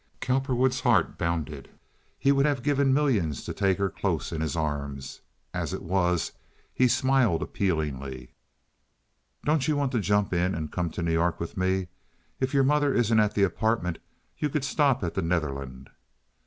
Cowperwood's heart bounded. He would have given millions to take her close in his arms. As it was he smiled appealingly. "Don't you want to jump in and come to New York with me? If your mother isn't at the apartment you could stop at the Netherland."